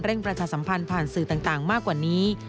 ประชาสัมพันธ์ผ่านสื่อต่างมากกว่านี้